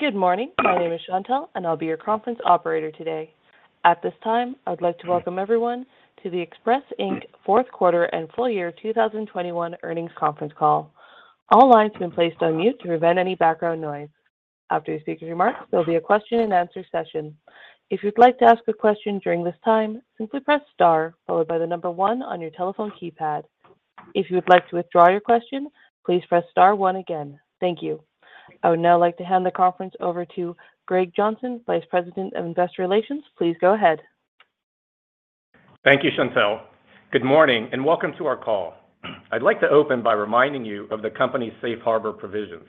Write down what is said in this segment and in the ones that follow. Good morning. My name is Chantelle, and I'll be your conference operator today. At this time, I would like to welcome everyone to the Express, Inc. fourth quarter and full year 2021 earnings conference call. All lines have been placed on mute to prevent any background noise. After the speaker's remarks, there'll be a question and answer session. If you'd like to ask a question during this time, simply press star followed by the number one on your telephone keypad. If you would like to withdraw your question, please press star one again. Thank you. I would now like to hand the conference over to Greg Johnson, Vice President of Investor Relations. Please go ahead. Thank you, Chantelle. Good morning, and welcome to our call. I'd like to open by reminding you of the company's safe harbor provisions.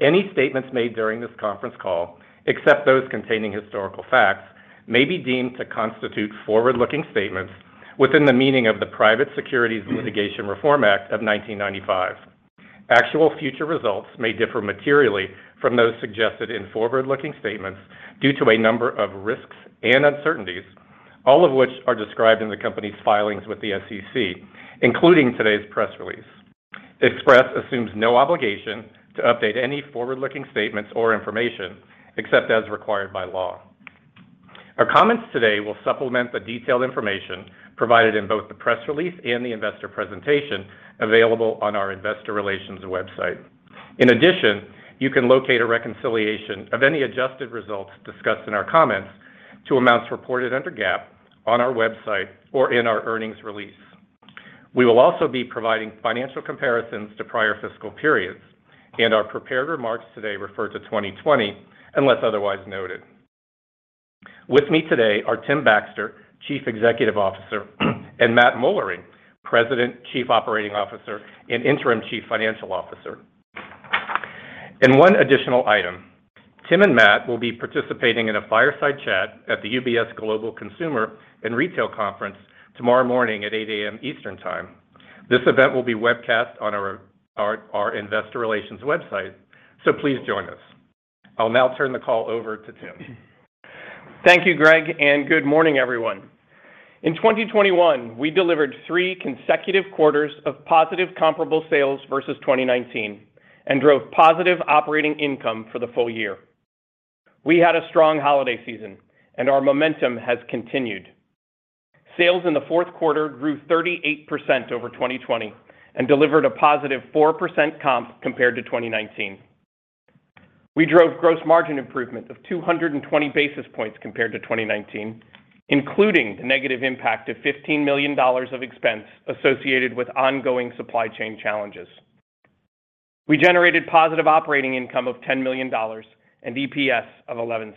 Any statements made during this conference call, except those containing historical facts, may be deemed to constitute forward-looking statements within the meaning of the Private Securities Litigation Reform Act of 1995. Actual future results may differ materially from those suggested in forward-looking statements due to a number of risks and uncertainties, all of which are described in the company's filings with the SEC, including today's press release. Express assumes no obligation to update any forward-looking statements or information except as required by law. Our comments today will supplement the detailed information provided in both the press release and the investor presentation available on our investor relations website. In addition, you can locate a reconciliation of any adjusted results discussed in our comments to amounts reported under GAAP on our website or in our earnings release. We will also be providing financial comparisons to prior fiscal periods, and our prepared remarks today refer to 2020 unless otherwise noted. With me today are Tim Baxter, Chief Executive Officer, and Matthew Moellering, President, Chief Operating Officer, and Interim Chief Financial Officer. One additional item, Tim and Matt will be participating in a fireside chat at the UBS Global Consumer and Retail Conference tomorrow morning at 8 A.M. Eastern Time. This event will be webcast on our investor relations website, so please join us. I'll now turn the call over to Tim. Thank you, Greg, and good morning, everyone. In 2021, we delivered three consecutive quarters of positive comparable sales versus 2019 and drove positive operating income for the full year. We had a strong holiday season and our momentum has continued. Sales in the fourth quarter grew 38% over 2020 and delivered a positive 4% comp compared to 2019. We drove gross margin improvement of 220 basis points compared to 2019, including the negative impact of $15 million of expense associated with ongoing supply chain challenges. We generated positive operating income of $10 million and EPS of $0.11.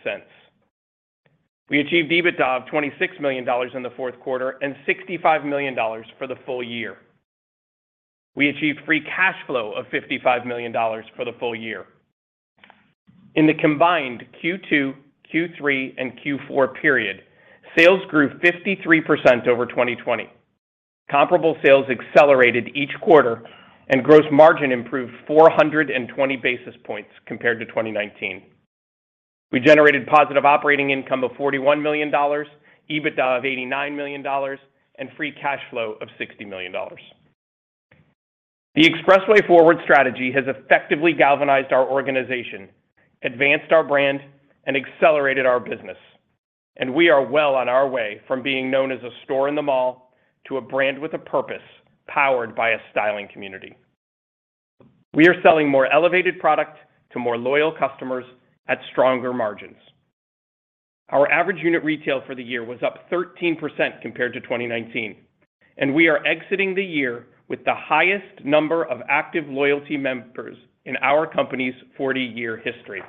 We achieved EBITDA of $26 million in the fourth quarter and $65 million for the full year. We achieved free cash flow of $55 million for the full year. In the combined Q2, Q3, and Q4 period, sales grew 53% over 2020. Comparable sales accelerated each quarter and gross margin improved 420 basis points compared to 2019. We generated positive operating income of $41 million, EBITDA of $89 million, and free cash flow of $60 million. The Expressway Forward strategy has effectively galvanized our organization, advanced our brand, and accelerated our business. We are well on our way from being known as a store in the mall to a brand with a purpose, powered by a styling community. We are selling more elevated product to more loyal customers at stronger margins. Our average unit retail for the year was up 13% compared to 2019, and we are exiting the year with the highest number of active loyalty members in our company's 40-year history.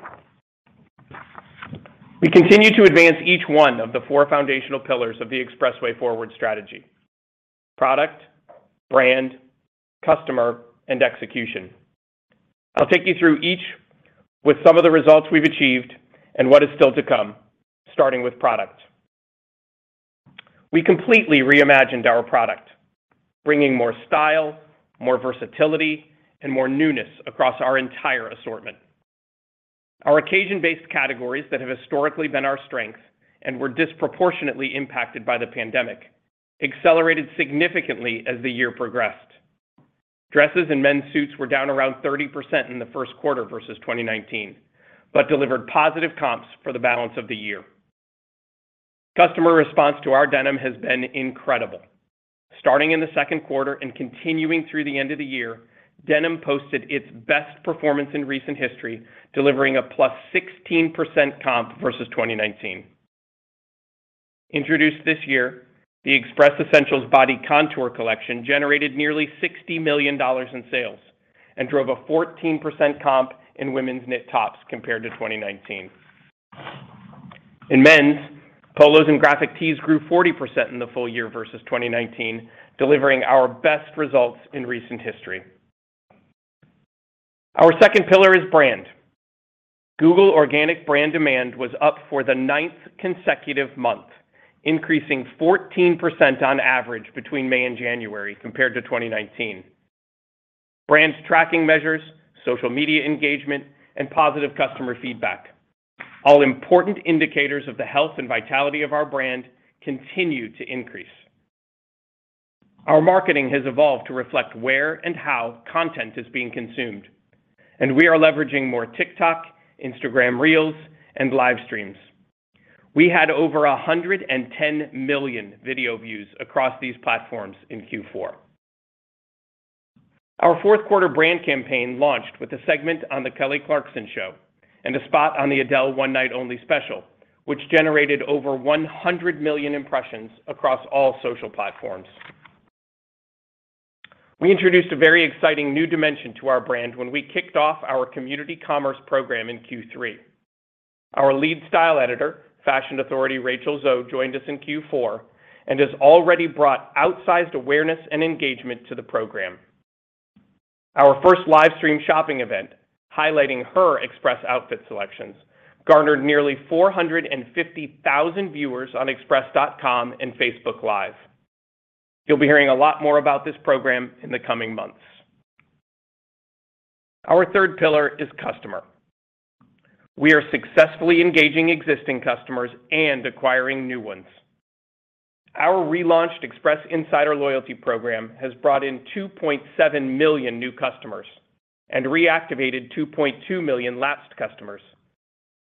We continue to advance each one of the four foundational pillars of the Expressway Forward strategy. Product, brand, customer, and execution. I'll take you through each with some of the results we've achieved and what is still to come, starting with product. We completely reimagined our product, bringing more style, more versatility, and more newness across our entire assortment. Our occasion-based categories that have historically been our strength and were disproportionately impacted by the pandemic accelerated significantly as the year progressed. Dresses and men's suits were down around 30% in the first quarter versus 2019, but delivered positive comps for the balance of the year. Customer response to our denim has been incredible. Starting in the second quarter and continuing through the end of the year, denim posted its best performance in recent history, delivering a +16% comp versus 2019. Introduced this year, the Express Essentials Body Contour collection generated nearly $60 million in sales and drove a 14% comp in women's knit tops compared to 2019. In men's, polos and graphic tees grew 40% in the full year versus 2019, delivering our best results in recent history. Our second pillar is brand. Google organic brand demand was up for the ninth consecutive month, increasing 14% on average between May and January compared to 2019. Brand tracking measures, social media engagement, and positive customer feedback, all important indicators of the health and vitality of our brand, continued to increase. Our marketing has evolved to reflect where and how content is being consumed, and we are leveraging more TikTok, Instagram Reels, and live streams. We had over 110 million video views across these platforms in Q4. Our fourth quarter brand campaign launched with a segment on the Kelly Clarkson Show and a spot on the Adele One Night Only special, which generated over 100 million impressions across all social platforms. We introduced a very exciting new dimension to our brand when we kicked off our community commerce program in Q3. Our lead style editor, fashion authority Rachel Zoe, joined us in Q4 and has already brought outsized awareness and engagement to the program. Our first live stream shopping event, highlighting her Express outfit selections, garnered nearly 450,000 viewers on express.com and Facebook Live. You'll be hearing a lot more about this program in the coming months. Our third pillar is customer. We are successfully engaging existing customers and acquiring new ones. Our relaunched Express Insider loyalty program has brought in 2.7 million new customers and reactivated 2.2 million lapsed customers.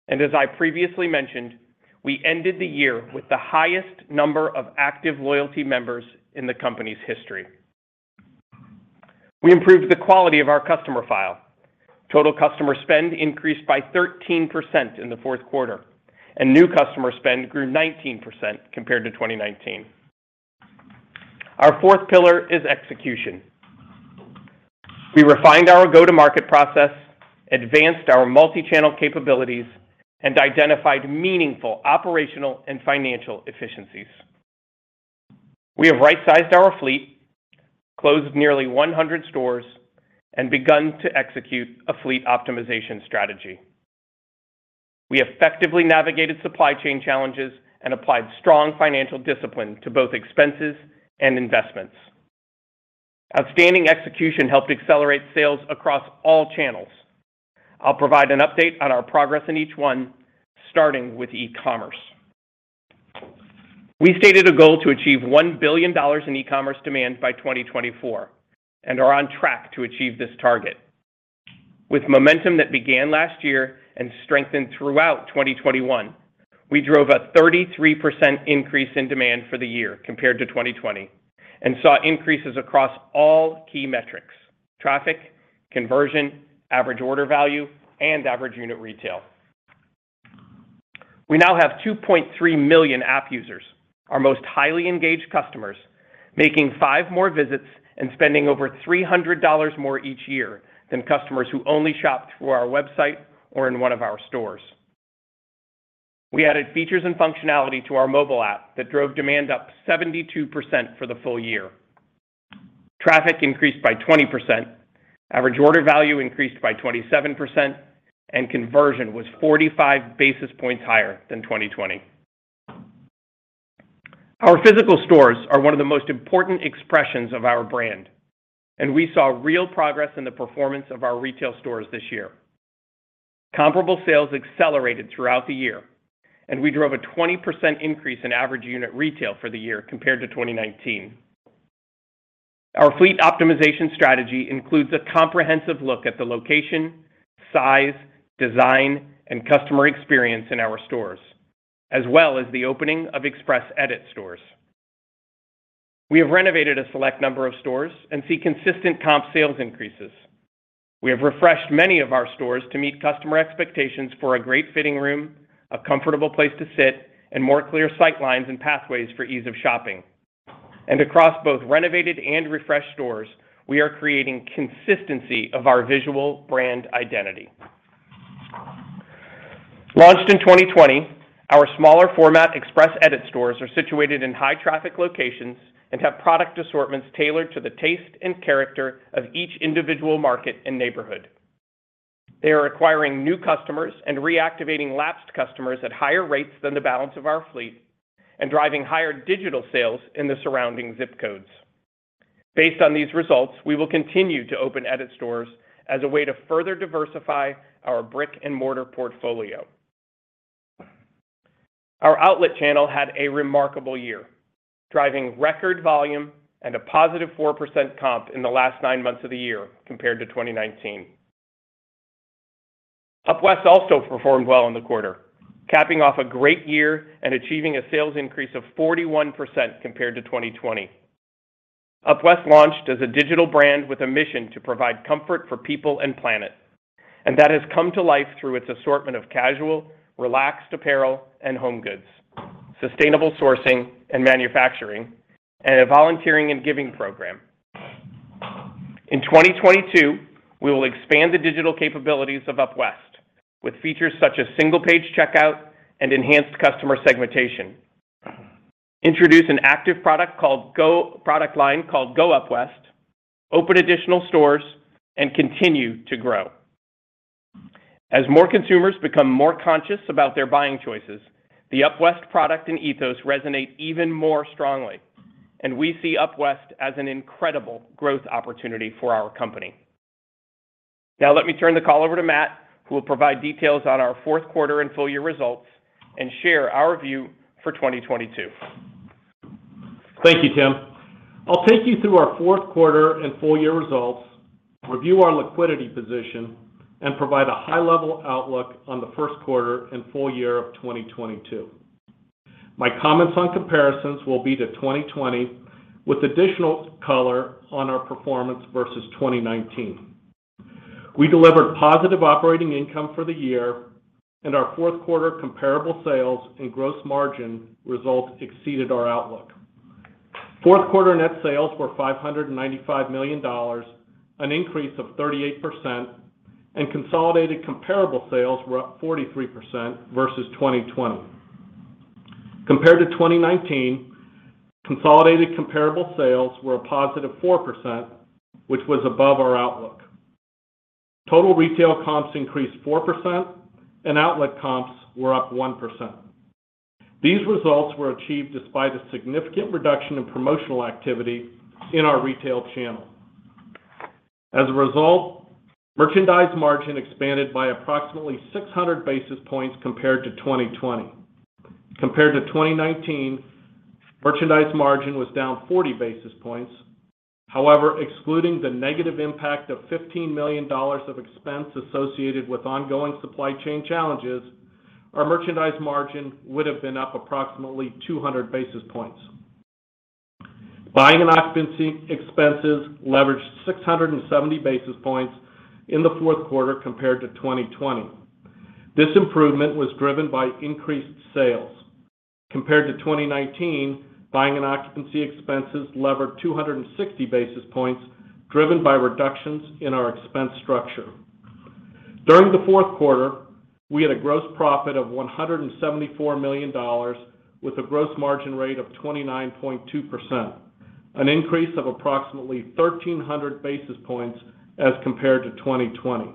As I previously mentioned, we ended the year with the highest number of active loyalty members in the company's history. We improved the quality of our customer file. Total customer spend increased by 13% in the fourth quarter, and new customer spend grew 19% compared to 2019. Our fourth pillar is execution. We refined our go-to-market process, advanced our multi-channel capabilities, and identified meaningful operational and financial efficiencies. We have right-sized our fleet, closed nearly 100 stores, and begun to execute a fleet optimization strategy. We effectively navigated supply chain challenges and applied strong financial discipline to both expenses and investments. Outstanding execution helped accelerate sales across all channels. I'll provide an update on our progress in each one, starting with e-commerce. We stated a goal to achieve $1 billion in e-commerce demand by 2024 and are on track to achieve this target. With momentum that began last year and strengthened throughout 2021, we drove a 33% increase in demand for the year compared to 2020 and saw increases across all key metrics, traffic, conversion, average order value, and average unit retail. We now have 2.3 million app users, our most highly engaged customers, making five more visits and spending over $300 more each year than customers who only shopped through our website or in one of our stores. We added features and functionality to our mobile app that drove demand up 72% for the full year. Traffic increased by 20%, average order value increased by 27%, and conversion was 45 basis points higher than 2020. Our physical stores are one of the most important expressions of our brand, and we saw real progress in the performance of our retail stores this year. Comparable sales accelerated throughout the year, and we drove a 20% increase in average unit retail for the year compared to 2019. Our fleet optimization strategy includes a comprehensive look at the location, size, design, and customer experience in our stores, as well as the opening of Express Edit stores. We have renovated a select number of stores and see consistent comp sales increases. We have refreshed many of our stores to meet customer expectations for a great fitting room, a comfortable place to sit, and more clear sight lines and pathways for ease of shopping. Across both renovated and refreshed stores, we are creating consistency of our visual brand identity. Launched in 2020, our smaller format Express Edit stores are situated in high traffic locations and have product assortments tailored to the taste and character of each individual market and neighborhood. They are acquiring new customers and reactivating lapsed customers at higher rates than the balance of our fleet and driving higher digital sales in the surrounding ZIP codes. Based on these results, we will continue to open Edit stores as a way to further diversify our brick-and-mortar portfolio. Our outlet channel had a remarkable year, driving record volume and a positive 4% comp in the last 9 months of the year compared to 2019. UpWest also performed well in the quarter, capping off a great year and achieving a sales increase of 41% compared to 2020. UpWest launched as a digital brand with a mission to provide comfort for people and planet, and that has come to life through its assortment of casual, relaxed apparel and home goods, sustainable sourcing and manufacturing, and a volunteering and giving program. In 2022, we will expand the digital capabilities of UpWest with features such as single-page checkout and enhanced customer segmentation, introduce an active product line called GO UpWest, open additional stores, and continue to grow. As more consumers become more conscious about their buying choices, the UpWest product and ethos resonate even more strongly, and we see UpWest as an incredible growth opportunity for our company. Now let me turn the call over to Matt, who will provide details on our fourth quarter and full year results and share our view for 2022. Thank you, Tim. I'll take you through our fourth quarter and full year results, review our liquidity position, and provide a high-level outlook on the first quarter and full year of 2022. My comments on comparisons will be to 2020, with additional color on our performance versus 2019. We delivered positive operating income for the year and our fourth quarter comparable sales and gross margin results exceeded our outlook. Fourth quarter net sales were $595 million, an increase of 38% and consolidated comparable sales were up 43% versus 2020. Compared to 2019, consolidated comparable sales were a positive 4%, which was above our outlook. Total retail comps increased 4% and outlet comps were up 1%. These results were achieved despite a significant reduction in promotional activity in our retail channel. As a result, merchandise margin expanded by approximately 600 basis points compared to 2020. Compared to 2019, merchandise margin was down 40 basis points. However, excluding the negative impact of $15 million of expense associated with ongoing supply chain challenges, our merchandise margin would have been up approximately 200 basis points. Buying and occupancy expenses leveraged 670 basis points in the fourth quarter compared to 2020. This improvement was driven by increased sales. Compared to 2019, buying and occupancy expenses levered 260 basis points, driven by reductions in our expense structure. During the fourth quarter, we had a gross profit of $174 million with a gross margin rate of 29.2%, an increase of approximately 1,300 basis points as compared to 2020.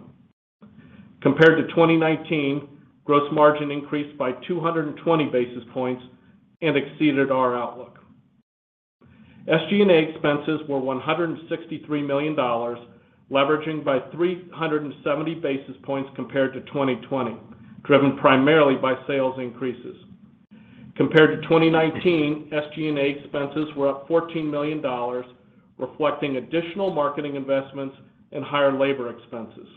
Compared to 2019, gross margin increased by 220 basis points and exceeded our outlook. SG&A expenses were $163 million, leveraging by 370 basis points compared to 2020, driven primarily by sales increases. Compared to 2019, SG&A expenses were up $14 million, reflecting additional marketing investments and higher labor expenses.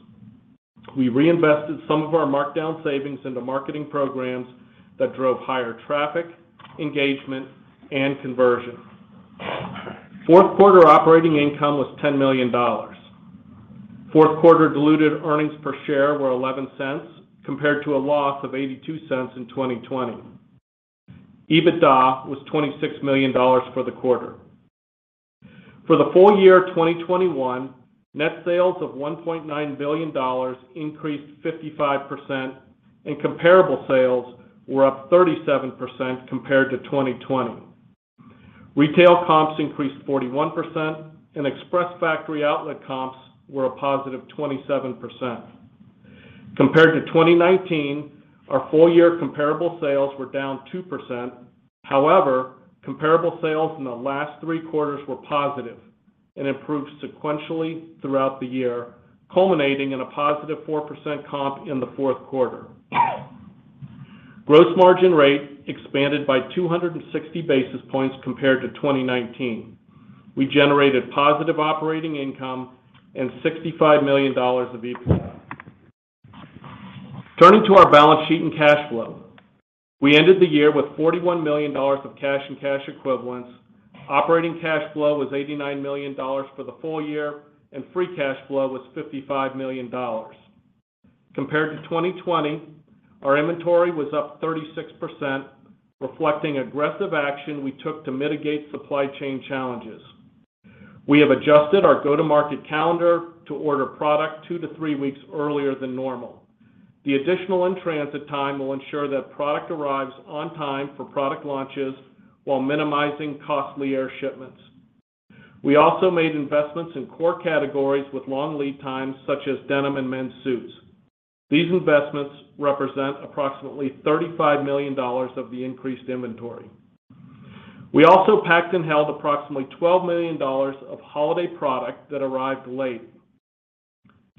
We reinvested some of our markdown savings into marketing programs that drove higher traffic, engagement, and conversion. Fourth quarter operating income was $10 million. Fourth quarter diluted earnings per share were $0.11 compared to a loss of ($0.82) in 2020. EBITDA was $26 million for the quarter. For the full year of 2021, net sales of $1.9 billion increased 55% and comparable sales were up 37% compared to 2020. Retail comps increased 41% and Express Factory Outlet comps were a positive 27%. Compared to 2019, our full year comparable sales were down 2%. However, comparable sales in the last three quarters were positive and improved sequentially throughout the year, culminating in a positive 4% comp in the fourth quarter. Gross margin rate expanded by 260 basis points compared to 2019. We generated positive operating income and $65 million of EBITDA. Turning to our balance sheet and cash flow. We ended the year with $41 million of cash and cash equivalents. Operating cash flow was $89 million for the full year, and free cash flow was $55 million. Compared to 2020, our inventory was up 36%, reflecting aggressive action we took to mitigate supply chain challenges. We have adjusted our go-to-market calendar to order product two to three weeks earlier than normal. The additional in-transit time will ensure that product arrives on time for product launches while minimizing costly air shipments. We also made investments in core categories with long lead times such as denim and men's suits. These investments represent approximately $35 million of the increased inventory. We also packed and held approximately $12 million of holiday product that arrived late.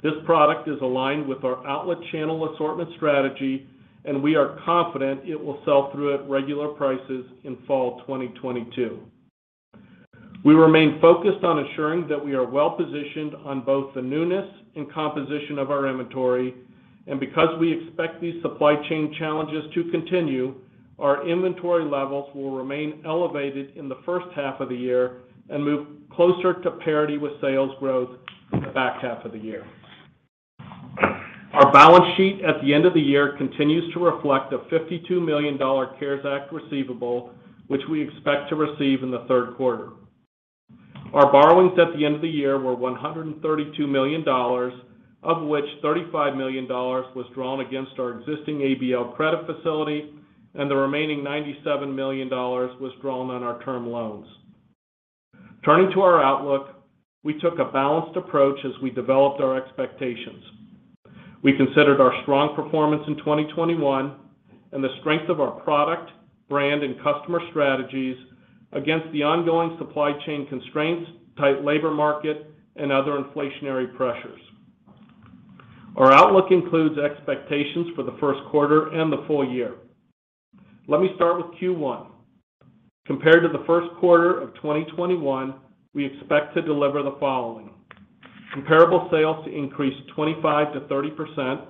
This product is aligned with our outlet channel assortment strategy, and we are confident it will sell through at regular prices in fall 2022. We remain focused on ensuring that we are well-positioned on both the newness and composition of our inventory, and because we expect these supply chain challenges to continue, our inventory levels will remain elevated in the first half of the year and move closer to parity with sales growth in the back half of the year. Our balance sheet at the end of the year continues to reflect a $52 million CARES Act receivable, which we expect to receive in the third quarter. Our borrowings at the end of the year were $132 million, of which $35 million was drawn against our existing ABL credit facility, and the remaining $97 million was drawn on our term loans. Turning to our outlook, we took a balanced approach as we developed our expectations. We considered our strong performance in 2021 and the strength of our product, brand, and customer strategies against the ongoing supply chain constraints, tight labor market, and other inflationary pressures. Our outlook includes expectations for the first quarter and the full year. Let me start with Q1. Compared to the first quarter of 2021, we expect to deliver the following. Comparable sales to increase 25%-30%.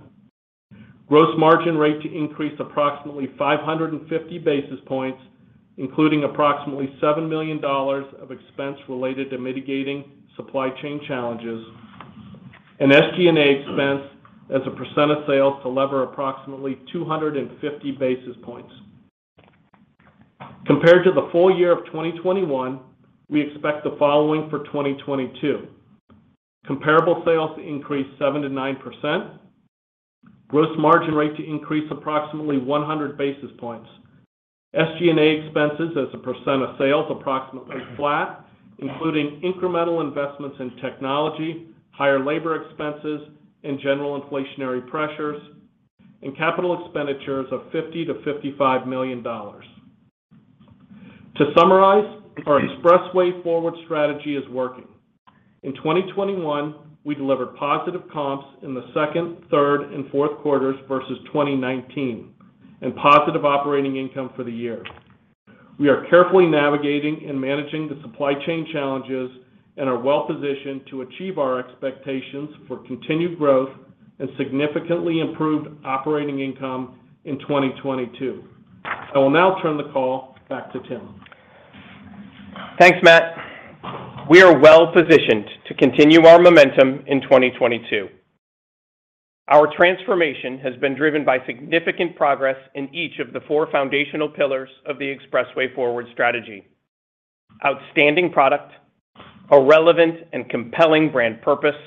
Gross margin rate to increase approximately 550 basis points, including approximately $7 million of expense related to mitigating supply chain challenges. SG&A expense as a percent of sales to lever approximately 250 basis points. Compared to the full year of 2021, we expect the following for 2022. Comparable sales to increase 7%-9%. Gross margin rate to increase approximately 100 basis points. SG&A expenses as a percent of sales approximately flat, including incremental investments in technology, higher labor expenses and general inflationary pressures, and capital expenditures of $50 million-$55 million. To summarize, our Expressway Forward strategy is working. In 2021, we delivered positive comps in the second, third, and fourth quarters versus 2019, and positive operating income for the year. We are carefully navigating and managing the supply chain challenges and are well positioned to achieve our expectations for continued growth and significantly improved operating income in 2022. I will now turn the call back to Tim. Thanks, Matt. We are well-positioned to continue our momentum in 2022. Our transformation has been driven by significant progress in each of the four foundational pillars of the Expressway Forward strategy. Outstanding product, a relevant and compelling brand purpose,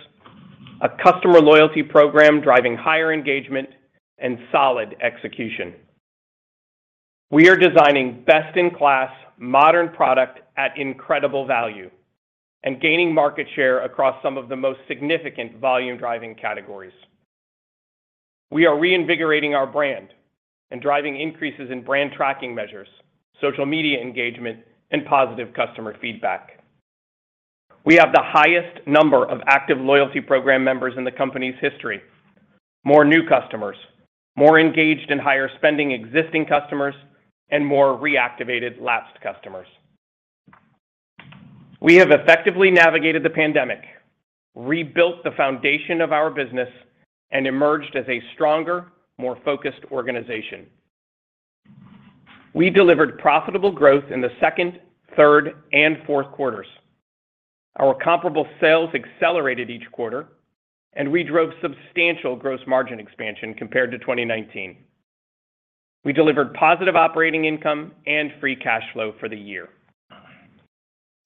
a customer loyalty program driving higher engagement, and solid execution. We are designing best-in-class modern product at incredible value and gaining market share across some of the most significant volume-driving categories. We are reinvigorating our brand and driving increases in brand tracking measures, social media engagement, and positive customer feedback. We have the highest number of active loyalty program members in the company's history, more new customers, more engaged and higher spending existing customers, and more reactivated lapsed customers. We have effectively navigated the pandemic, rebuilt the foundation of our business, and emerged as a stronger, more focused organization. We delivered profitable growth in the second, third, and fourth quarters. Our comparable sales accelerated each quarter, and we drove substantial gross margin expansion compared to 2019. We delivered positive operating income and free cash flow for the year.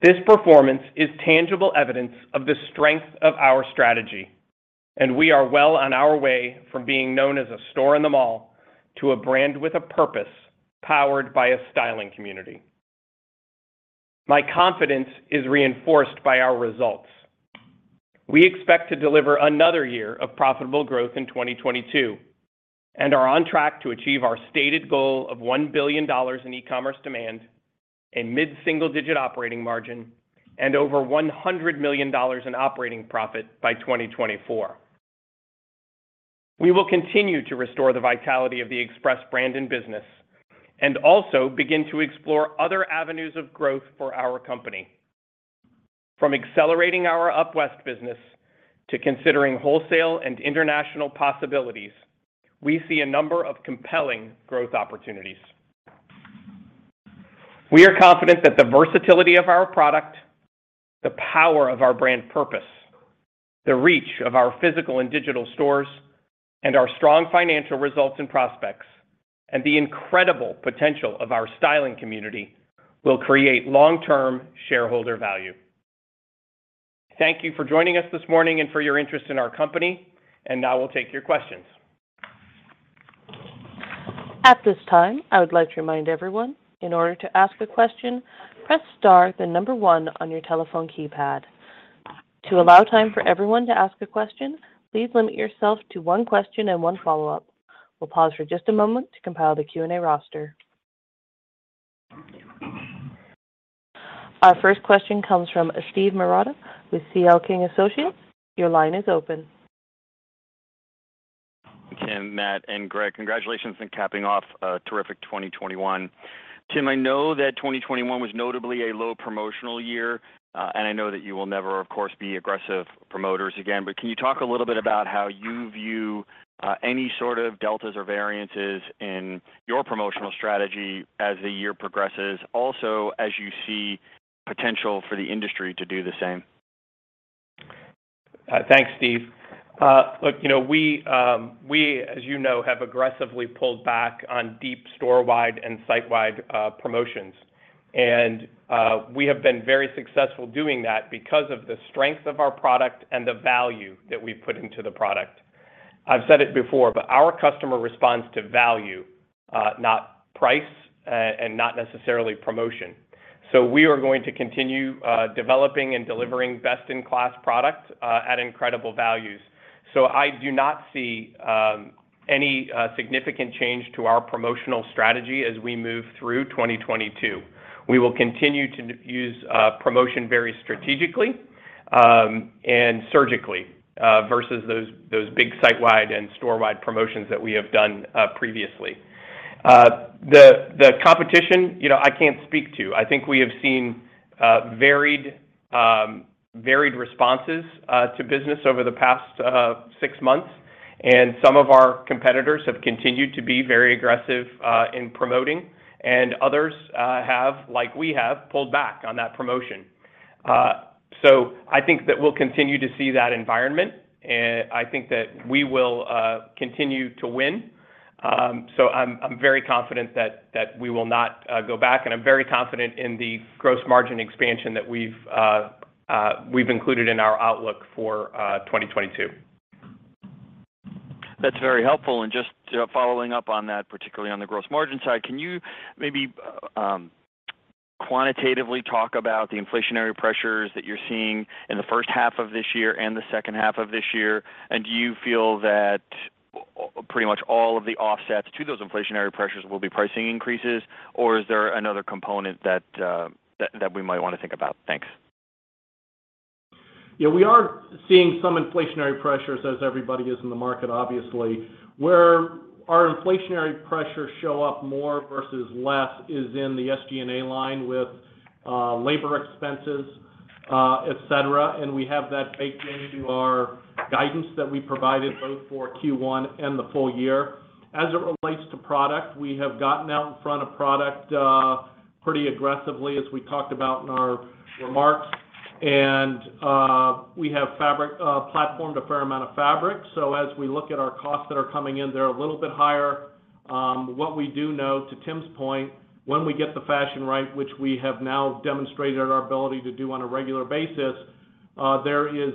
This performance is tangible evidence of the strength of our strategy, and we are well on our way from being known as a store in the mall to a brand with a purpose powered by a styling community. My confidence is reinforced by our results. We expect to deliver another year of profitable growth in 2022 and are on track to achieve our stated goal of $1 billion in e-commerce demand and mid-single-digit operating margin and over $100 million in operating profit by 2024. We will continue to restore the vitality of the Express brand and business and also begin to explore other avenues of growth for our company. From accelerating our UpWest business to considering wholesale and international possibilities, we see a number of compelling growth opportunities. We are confident that the versatility of our product, the power of our brand purpose, the reach of our physical and digital stores, and our strong financial results and prospects, and the incredible potential of our styling community will create long-term shareholder value. Thank you for joining us this morning and for your interest in our company. Now we'll take your questions. At this time, I would like to remind everyone, in order to ask a question, press star, then number one on your telephone keypad. To allow time for everyone to ask a question, please limit yourself to one question and one follow-up. We'll pause for just a moment to compile the Q&A roster. Our first question comes from Steve Marotta with C.L. King & Associates. Your line is open. Tim, Matt, and Greg, congratulations on capping off a terrific 2021. Tim, I know that 2021 was notably a low promotional year, and I know that you will never, of course, be aggressive promoters again. Can you talk a little bit about how you view any sort of deltas or variances in your promotional strategy as the year progresses, also as you see potential for the industry to do the same? Thanks, Steve. Look, you know, we, as you know, have aggressively pulled back on deep store-wide and site-wide promotions. We have been very successful doing that because of the strength of our product and the value that we put into the product. I've said it before, but our customer responds to value, not price, and not necessarily promotion. We are going to continue developing and delivering best-in-class products at incredible values. I do not see any significant change to our promotional strategy as we move through 2022. We will continue to use promotion very strategically and surgically versus those big site-wide and store-wide promotions that we have done previously. The competition, you know, I can't speak to. I think we have seen varied responses to business over the past six months, and some of our competitors have continued to be very aggressive in promoting, and others, like we have, pulled back on that promotion. I think that we'll continue to see that environment, and I think that we will continue to win. I'm very confident that we will not go back, and I'm very confident in the gross margin expansion that we've included in our outlook for 2022. That's very helpful. Just following up on that, particularly on the gross margin side, can you maybe quantitatively talk about the inflationary pressures that you're seeing in the first half of this year and the second half of this year? Do you feel that pretty much all of the offsets to those inflationary pressures will be pricing increases, or is there another component that we might wanna think about? Thanks. Yeah, we are seeing some inflationary pressures as everybody is in the market, obviously. Where our inflationary pressures show up more versus less is in the SG&A line with labor expenses, et cetera. We have that baked into our guidance that we provided both for Q1 and the full year. As it relates to product, we have gotten out in front of product pretty aggressively as we talked about in our remarks. We have platformed a fair amount of fabric. As we look at our costs that are coming in, they're a little bit higher. What we do know, to Tim's point, when we get the fashion right, which we have now demonstrated our ability to do on a regular basis, there is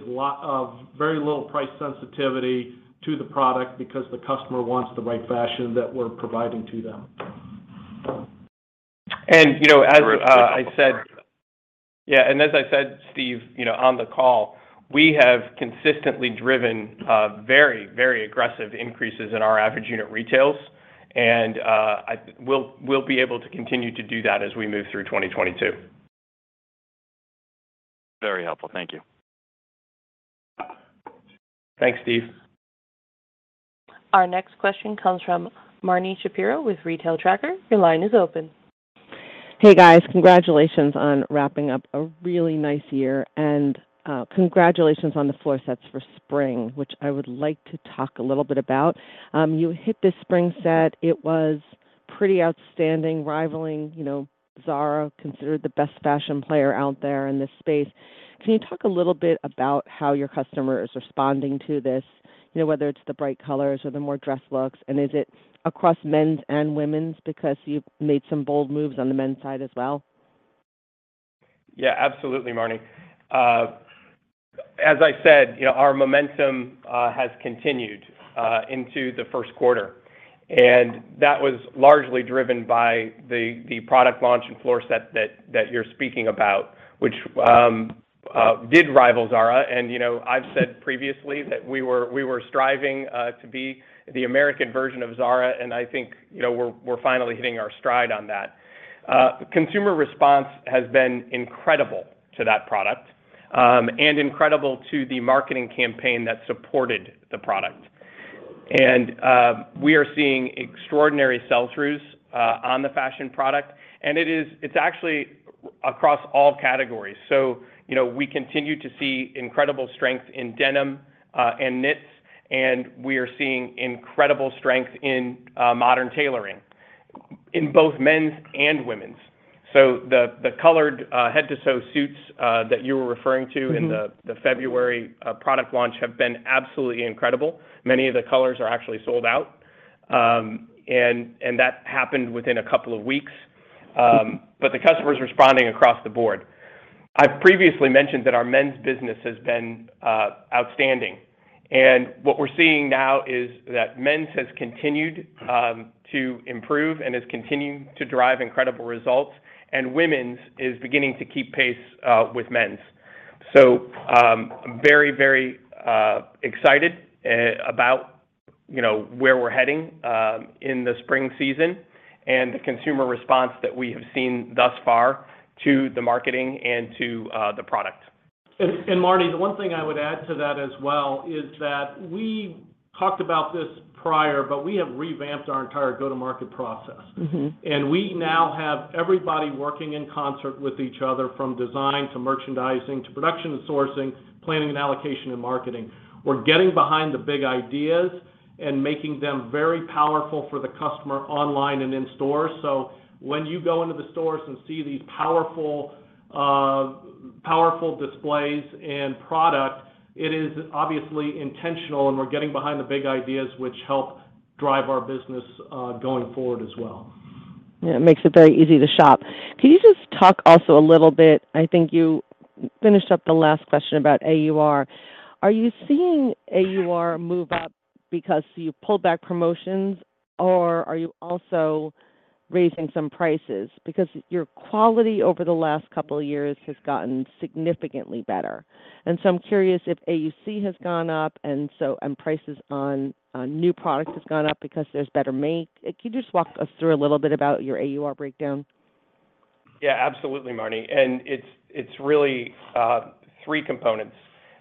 very little price sensitivity to the product because the customer wants the right fashion that we're providing to them. You know, as I said, Steve, you know, on the call, we have consistently driven very, very aggressive increases in our average unit retail, and we'll be able to continue to do that as we move through 2022. Very helpful. Thank you. Thanks, Steve. Our next question comes from Marni Shapiro with Retail Tracker. Your line is open. Hey, guys. Congratulations on wrapping up a really nice year, and congratulations on the floor sets for spring, which I would like to talk a little bit about. You hit the spring set. It was pretty outstanding, rivaling, you know, Zara, considered the best fashion player out there in this space. Can you talk a little bit about how your customer is responding to this? You know, whether it's the bright colors or the more dress looks, and is it across men's and women's because you've made some bold moves on the men's side as well? Yeah, absolutely, Marni. As I said, you know, our momentum has continued into the first quarter, and that was largely driven by the product launch and floor set that you're speaking about, which did rival Zara. You know, I've said previously that we were striving to be the American version of Zara, and I think, you know, we're finally hitting our stride on that. Consumer response has been incredible to that product and incredible to the marketing campaign that supported the product. We are seeing extraordinary sell-throughs on the fashion product, and it is actually across all categories. You know, we continue to see incredible strength in denim and knits, and we are seeing incredible strength in modern tailoring in both men's and women's. The colored head-to-toe suits that you were referring to in the February product launch have been absolutely incredible. Many of the colors are actually sold out, and that happened within a couple of weeks. The customers are responding across the board. I've previously mentioned that our men's business has been outstanding. What we're seeing now is that men's has continued to improve and is continuing to drive incredible results, and women's is beginning to keep pace with men's. Very excited about you know where we're heading in the spring season and the consumer response that we have seen thus far to the marketing and to the product. Marni, the one thing I would add to that as well is that we talked about this prior, but we have revamped our entire go-to-market process. Mm-hmm. We now have everybody working in concert with each other from design to merchandising to production and sourcing, planning and allocation, and marketing. We're getting behind the big ideas and making them very powerful for the customer online and in store. When you go into the stores and see these powerful displays and product, it is obviously intentional, and we're getting behind the big ideas which help drive our business, going forward as well. Yeah, it makes it very easy to shop. Can you just talk also a little bit. I think you finished up the last question about AUR. Are you seeing AUR move up because you pulled back promotions or are you also raising some prices? Because your quality over the last couple of years has gotten significantly better. I'm curious if AUC has gone up and prices on new products has gone up because there's better make. Can you just walk us through a little bit about your AUR breakdown? Yeah, absolutely, Marni. It's really three components.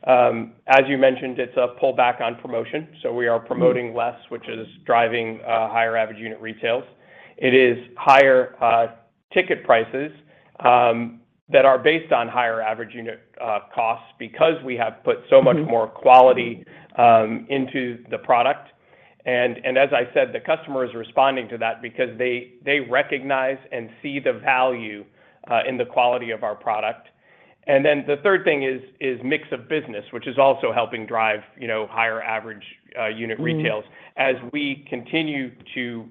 As you mentioned, it's a pull back on promotion. We are promoting less, which is driving higher average unit retail. It is higher ticket prices that are based on higher average unit costs because we have put so much more quality into the product. As I said, the customer is responding to that because they recognize and see the value in the quality of our product. Then the third thing is mix of business, which is also helping drive, you know, higher average unit retail. As we continue to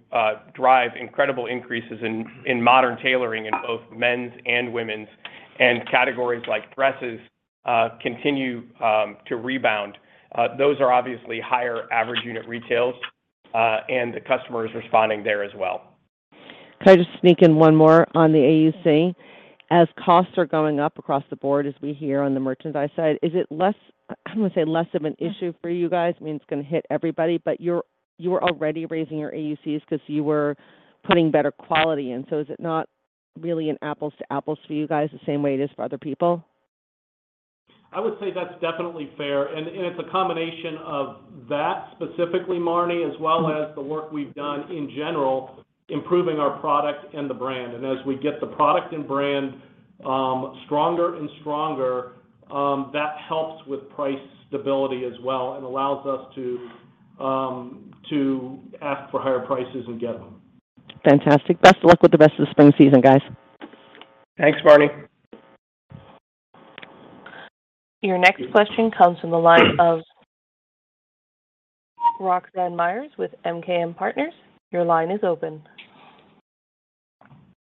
drive incredible increases in modern tailoring in both men's and women's and categories like dresses continue to rebound, those are obviously higher average unit retails, and the customer is responding there as well. Can I just sneak in one more on the AUC? As costs are going up across the board, as we hear on the merchandise side, is it I wouldn't say less of an issue for you guys. I mean, it's gonna hit everybody, but you're already raising your AUCs because you were putting better quality in. Is it not really an apples to apples for you guys the same way it is for other people? I would say that's definitely fair. It's a combination of that specifically, Marni, as well as the work we've done in general improving our product and the brand. As we get the product and brand stronger and stronger, that helps with price stability as well and allows us to ask for higher prices and get them. Fantastic. Best of luck with the rest of the spring season, guys. Thanks, Marni. Your next question comes from the line of Roxanne Meyer with MKM Partners. Your line is open.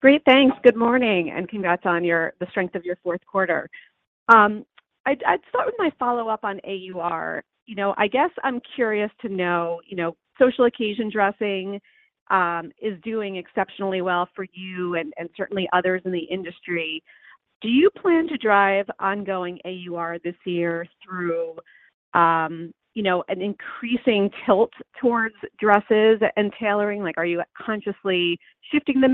Great. Thanks. Good morning, and congrats on the strength of your fourth quarter. I'd start with my follow-up on AUR. You know, I guess I'm curious to know, you know, social occasion dressing is doing exceptionally well for you and certainly others in the industry. Do you plan to drive ongoing AUR this year through, you know, an increasing tilt towards dresses and tailoring? Like, are you consciously shifting the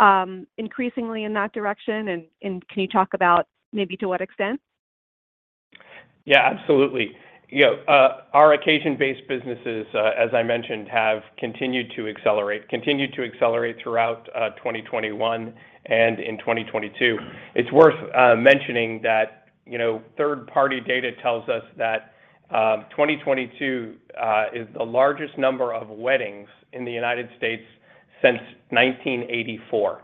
mix increasingly in that direction? And can you talk about maybe to what extent? Yeah, absolutely. You know, our occasion-based businesses, as I mentioned, have continued to accelerate throughout 2021 and in 2022. It's worth mentioning that, you know, third-party data tells us that 2022 is the largest number of weddings in the United States since 1984.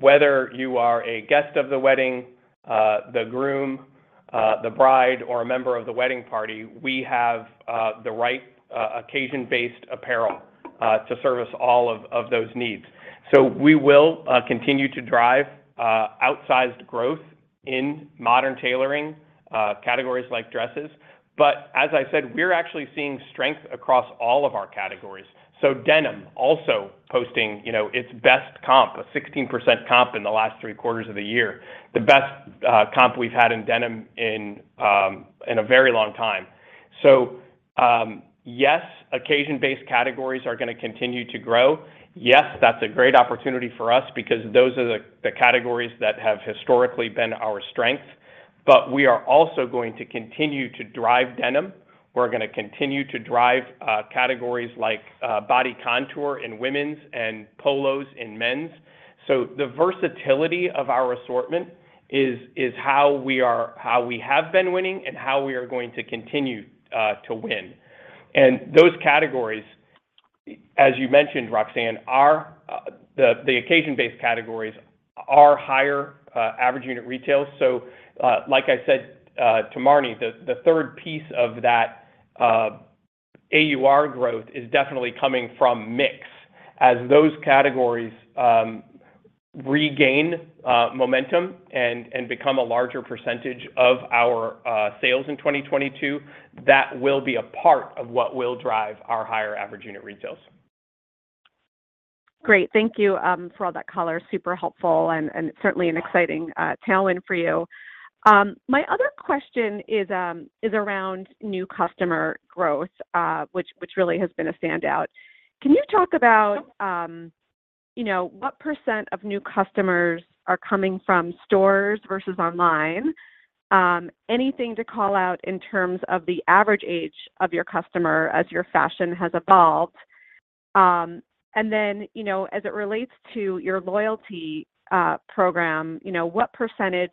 Whether you are a guest of the wedding, the groom, the bride, or a member of the wedding party, we have the right occasion-based apparel to service all of those needs. We will continue to drive outsized growth in modern tailoring categories like dresses. As I said, we're actually seeing strength across all of our categories. Denim also posting its best comp, a 16% comp in the last three quarters of the year, the best comp we've had in denim in a very long time. Yes, occasion-based categories are gonna continue to grow. Yes, that's a great opportunity for us because those are the categories that have historically been our strength. We are also going to continue to drive denim. We're gonna continue to drive categories like Body Contour in women's and polos in men's. The versatility of our assortment is how we have been winning and how we are going to continue to win. Those categories, as you mentioned, Roxanne, are higher average unit retail. Like I said, to Marni, the third piece of that, AUR growth is definitely coming from mix. As those categories regain momentum and become a larger percentage of our sales in 2022, that will be a part of what will drive our higher average unit retails. Great. Thank you for all that color. Super helpful and certainly an exciting tailwind for you. My other question is around new customer growth, which really has been a standout. Can you talk about, you know, what percent of new customers are coming from stores versus online? Anything to call out in terms of the average age of your customer as your fashion has evolved? And then, you know, as it relates to your loyalty program, you know, what percentage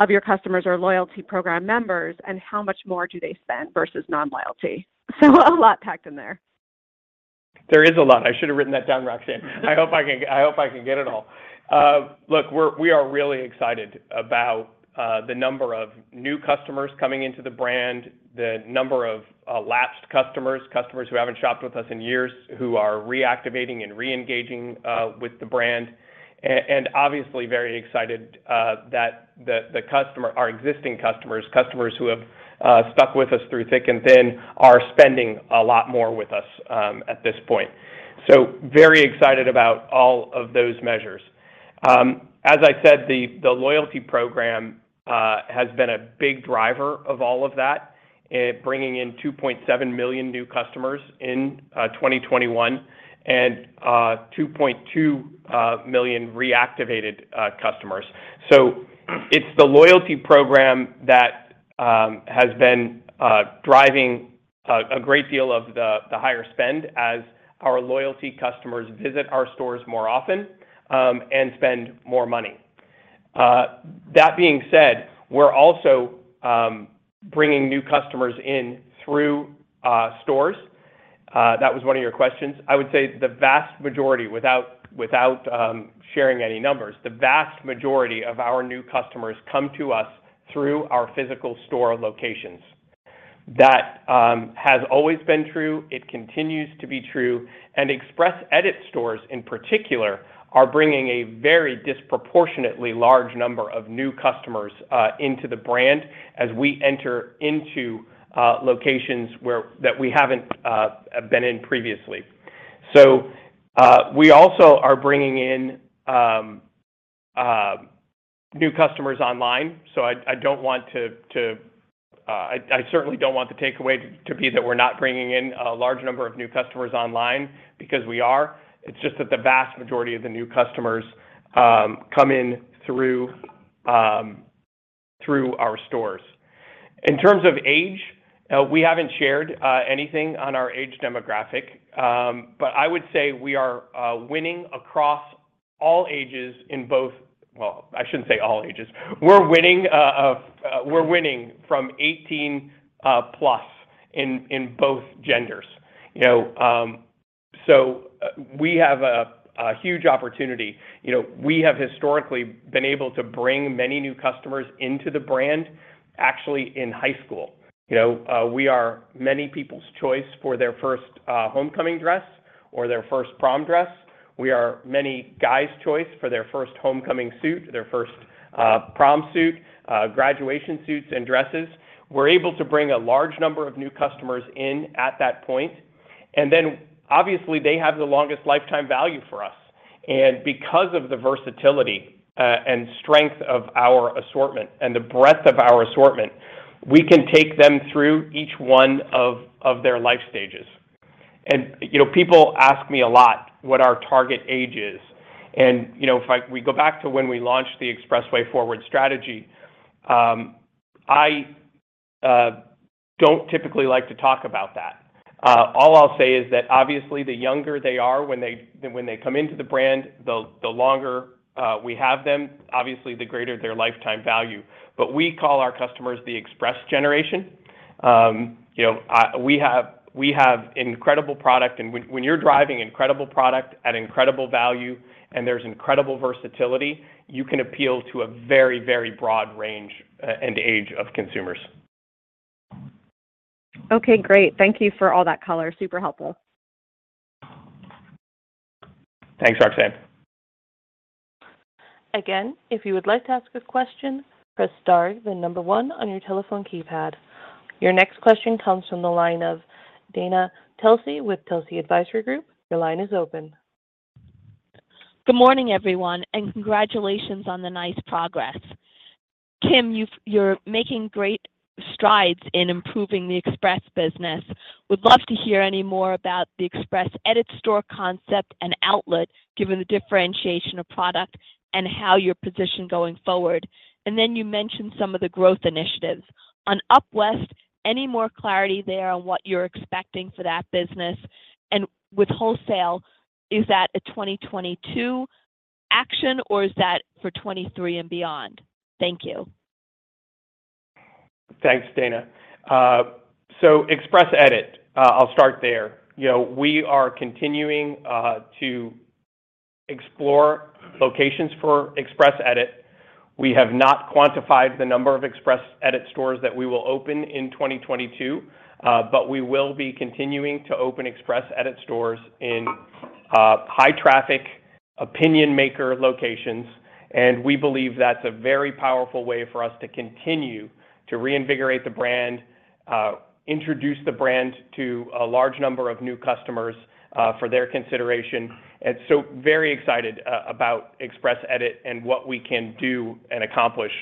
of your customers are loyalty program members, and how much more do they spend versus non-loyalty? A lot packed in there. There is a lot. I should have written that down, Roxanne. I hope I can get it all. Look, we are really excited about the number of new customers coming into the brand, the number of lapsed customers who haven't shopped with us in years, who are reactivating and re-engaging with the brand. And obviously very excited that the customer, our existing customers who have stuck with us through thick and thin, are spending a lot more with us at this point. Very excited about all of those measures. As I said, the loyalty program has been a big driver of all of that. It bringing in 2.7 million new customers in 2021 and 2.2 million reactivated customers. It's the loyalty program that has been driving a great deal of the higher spend as our loyalty customers visit our stores more often and spend more money. That being said, we're also bringing new customers in through stores. That was one of your questions. I would say the vast majority without sharing any numbers of our new customers come to us through our physical store locations. That has always been true. It continues to be true. Express Edit stores in particular are bringing a very disproportionately large number of new customers into the brand as we enter into locations that we haven't been in previously. We also are bringing in new customers online. I don't want to... I certainly don't want the takeaway to be that we're not bringing in a large number of new customers online, because we are. It's just that the vast majority of the new customers come in through our stores. In terms of age, we haven't shared anything on our age demographic. I would say we are winning across all ages in both. Well, I shouldn't say all ages. We're winning from 18+ in both genders, you know. So we have a huge opportunity. You know, we have historically been able to bring many new customers into the brand, actually in high school. You know, we are many people's choice for their first homecoming dress or their first prom dress. We are many guys' choice for their first homecoming suit, their first prom suit, graduation suits and dresses. We're able to bring a large number of new customers in at that point. Obviously, they have the longest lifetime value for us. Because of the versatility and strength of our assortment and the breadth of our assortment, we can take them through each one of their life stages. You know, people ask me a lot what our target age is. You know, we go back to when we launched the Expressway Forward strategy, I don't typically like to talk about that. All I'll say is that obviously the younger they are when they come into the brand, the longer we have them, obviously the greater their lifetime value. We call our customers the Express generation. You know, we have incredible product. When you're driving incredible product at incredible value and there's incredible versatility, you can appeal to a very, very broad range and age of consumers. Okay, great. Thank you for all that color. Super helpful. Thanks, Roxanne. Your next question comes from the line of Dana Telsey with Telsey Advisory Group. Your line is open. Good morning, everyone, and congratulations on the nice progress. Tim, you're making great strides in improving the Express business. Would love to hear any more about the Express Edit store concept and outlet, given the differentiation of product and how you're positioned going forward. You mentioned some of the growth initiatives. On UpWest, any more clarity there on what you're expecting for that business? With wholesale, is that a 2022 action, or is that for 2023 and beyond? Thank you. Thanks, Dana. So Express Edit, I'll start there. You know, we are continuing to explore locations for Express Edit. We have not quantified the number of Express Edit stores that we will open in 2022. But we will be continuing to open Express Edit stores in high traffic, opinion maker locations. We believe that's a very powerful way for us to continue to reinvigorate the brand, introduce the brand to a large number of new customers for their consideration. Very excited about Express Edit and what we can do and accomplish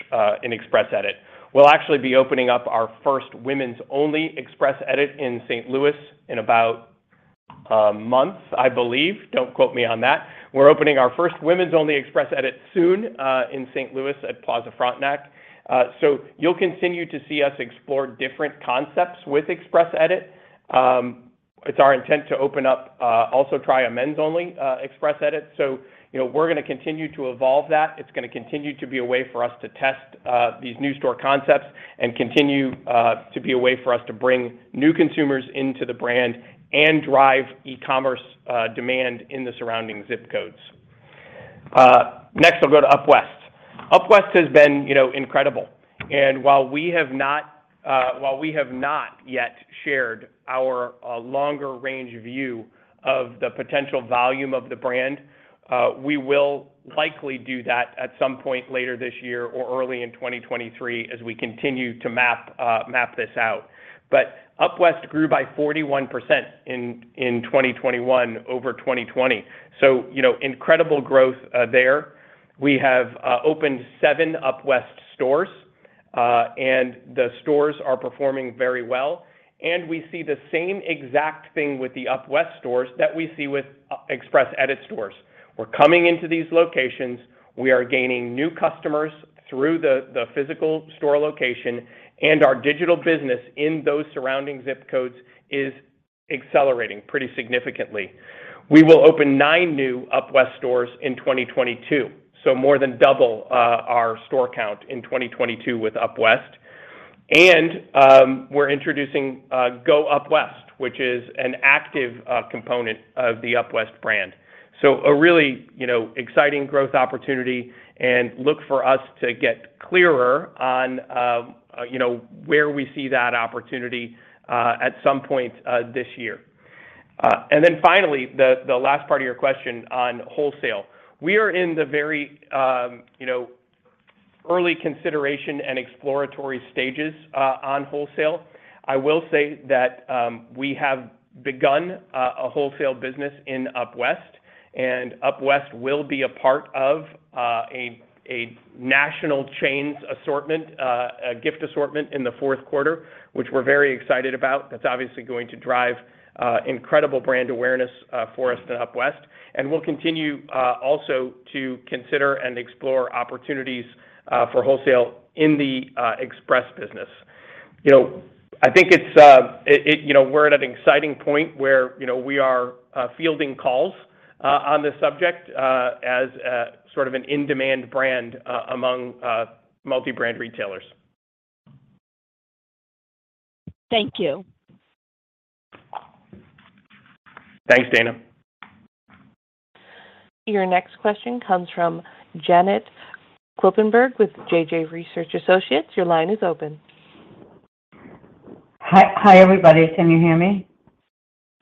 in Express Edit. We'll actually be opening up our first women's only Express Edit in St. Louis in about a month, I believe. Don't quote me on that. We're opening our first women's only Express Edit soon in St. Louis at Plaza Frontenac. You'll continue to see us explore different concepts with Express Edit. It's our intent to open up, also try a men's only, Express Edit. You know, we're gonna continue to evolve that. It's gonna continue to be a way for us to test, these new store concepts and continue, to be a way for us to bring new consumers into the brand and drive e-commerce, demand in the surrounding zip codes. Next I'll go to UpWest. UpWest has been, you know, incredible. While we have not yet shared our, longer range view of the potential volume of the brand, we will likely do that at some point later this year or early in 2023 as we continue to map this out. UpWest grew by 41% in 2021 over 2020. You know, incredible growth there. We have opened seven UpWest stores, and the stores are performing very well. We see the same exact thing with the UpWest stores that we see with Express Edit stores. We're coming into these locations, we are gaining new customers through the physical store location, and our digital business in those surrounding zip codes is accelerating pretty significantly. We will open 9 new UpWest stores in 2022, so more than double our store count in 2022 with UpWest. We're introducing GO UpWest, which is an active component of the UpWest brand. A really, you know, exciting growth opportunity, and look for us to get clearer on, you know, where we see that opportunity, at some point, this year. Finally, the last part of your question on wholesale. We are in the very, you know, early consideration and exploratory stages, on wholesale. I will say that, we have begun, a wholesale business in UpWest, and UpWest will be a part of, a national chains assortment, a gift assortment in the fourth quarter, which we're very excited about. That's obviously going to drive, incredible brand awareness, for us at UpWest. We'll continue, also to consider and explore opportunities, for wholesale in the, Express business. You know, I think it's you know, we're at an exciting point where, you know, we are fielding calls on this subject as sort of an in-demand brand among multi-brand retailers. Thank you. Thanks, Dana. Your next question comes from Janet Kloppenburg with JJK Research Associates. Your line is open. Hi, hi, everybody. Can you hear me?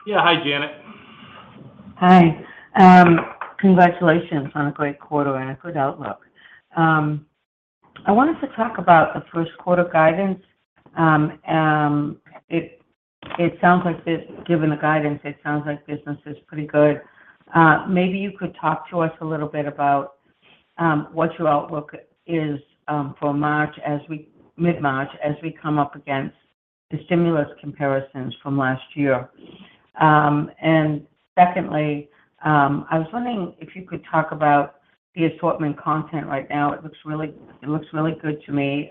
Yeah. Hi, Janet. Hi. Congratulations on a great quarter and a good outlook. I wanted to talk about the first quarter guidance. Given the guidance, it sounds like business is pretty good. Maybe you could talk to us a little bit about what your outlook is for mid-March, as we come up against the stimulus comparisons from last year. Secondly, I was wondering if you could talk about the assortment content right now. It looks really good to me.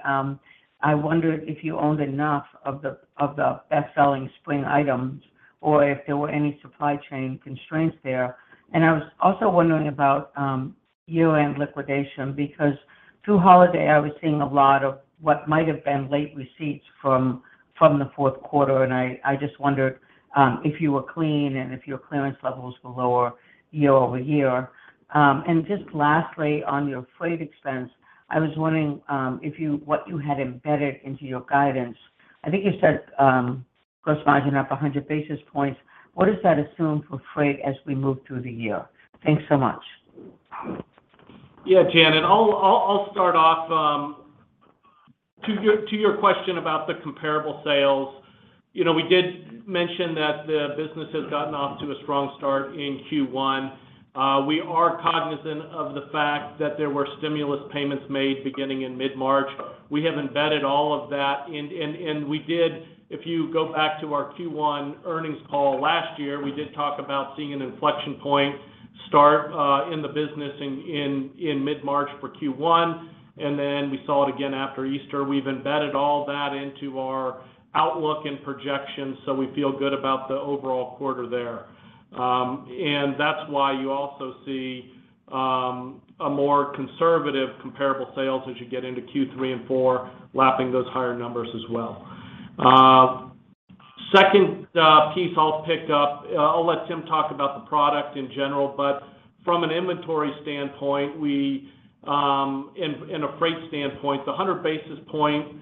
I wondered if you owned enough of the best-selling spring items or if there were any supply chain constraints there. I was also wondering about year-end liquidation because through holiday, I was seeing a lot of what might have been late receipts from the fourth quarter, and I just wondered if you were clean and if your clearance levels were lower year over year. Just lastly, on your freight expense, I was wondering what you had embedded into your guidance. I think you said gross margin up 100 basis points. What does that assume for freight as we move through the year? Thanks so much. Yeah, Janet. I'll start off to your question about the comparable sales. You know, we did mention that the business has gotten off to a strong start in Q1. We are cognizant of the fact that there were stimulus payments made beginning in mid-March. We have embedded all of that. If you go back to our Q1 earnings call last year, we did talk about seeing an inflection point start in the business in mid-March for Q1, and then we saw it again after Easter. We've embedded all that into our outlook and projections, so we feel good about the overall quarter there. That's why you also see a more conservative comparable sales as you get into Q3 and Q4, lapping those higher numbers as well. Second piece I'll pick up, I'll let Tim talk about the product in general, but from an inventory standpoint and a freight standpoint, the 100 basis point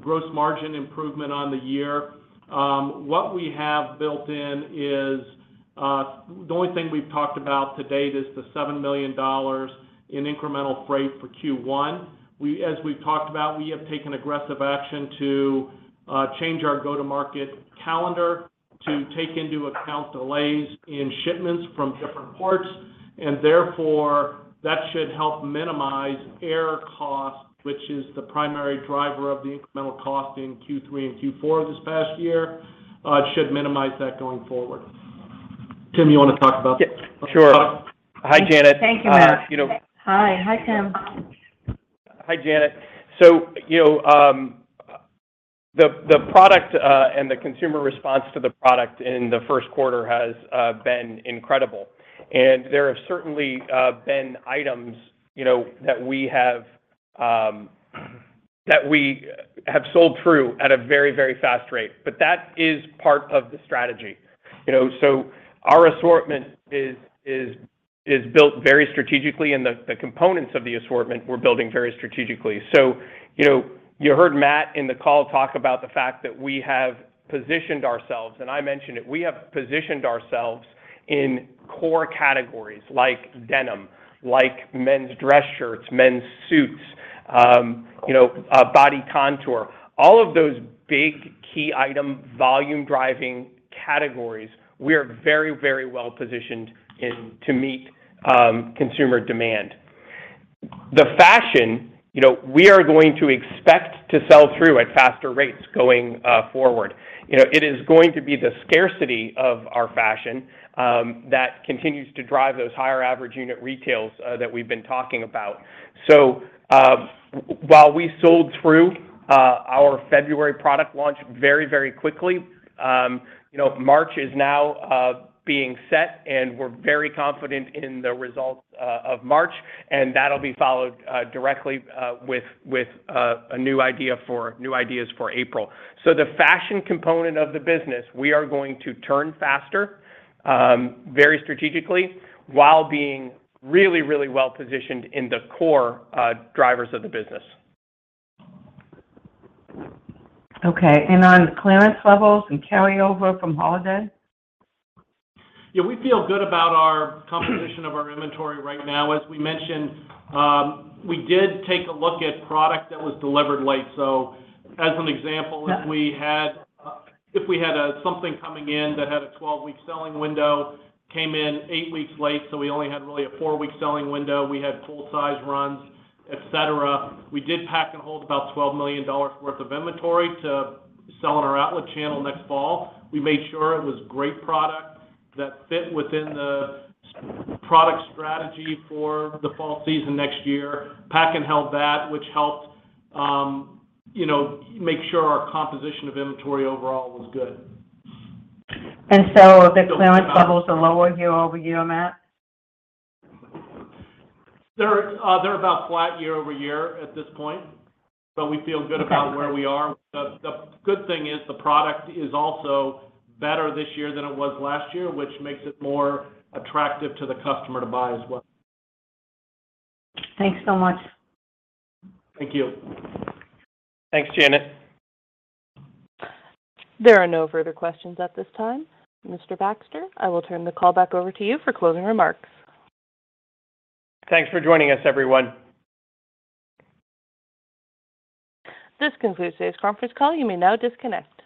gross margin improvement on the year, what we have built in is the only thing we've talked about to date is the $7 million in incremental freight for Q1. As we've talked about, we have taken aggressive action to change our go-to-market calendar to take into account delays in shipments from different ports, and therefore, that should help minimize air costs, which is the primary driver of the incremental cost in Q3 and Q4 this past year. It should minimize that going forward. Tim, you wanna talk about the product? Sure. Hi, Janet. Thank you, Matt. You know. Hi. Hi, Tim. Hi, Janet. You know, the product and the consumer response to the product in the first quarter has been incredible. There have certainly been items, you know, that we have sold through at a very, very fast rate. That is part of the strategy. You know, our assortment is built very strategically, and the components of the assortment we're building very strategically. You know, you heard Matt in the call talk about the fact that we have positioned ourselves, and I mentioned it, we have positioned ourselves in core categories like denim, like men's dress shirts, men's suits. You know, Body Contour, all of those big key item, volume driving categories, we are very, very well positioned in to meet consumer demand. The fashion, you know, we are going to expect to sell through at faster rates going forward. You know, it is going to be the scarcity of our fashion that continues to drive those higher average unit retail that we've been talking about. While we sold through our February product launch very, very quickly, you know, March is now being set, and we're very confident in the results of March, and that'll be followed directly with new ideas for April. The fashion component of the business, we are going to turn faster very strategically, while being really, really well positioned in the core drivers of the business. Okay. On clearance levels and carryover from holiday? Yeah, we feel good about our composition of our inventory right now. As we mentioned, we did take a look at product that was delivered late. As an example, if we had something coming in that had a 12-week selling window, came in eight weeks late, so we only had really a four-week selling window, we had full-size runs, et cetera. We did pack and hold about $12 million worth of inventory to sell on our outlet channel next fall. We made sure it was great product that fit within the s-product strategy for the fall season next year. Pack and held that, which helped, you know, make sure our composition of inventory overall was good. The clearance levels are lower year-over-year, Matt? They're about flat year-over-year at this point, but we feel good about where we are. The good thing is the product is also better this year than it was last year, which makes it more attractive to the customer to buy as well. Thanks so much. Thank you. Thanks, Janet. There are no further questions at this time. Mr. Baxter, I will turn the call back over to you for closing remarks. Thanks for joining us, everyone. This concludes today's conference call. You may now disconnect.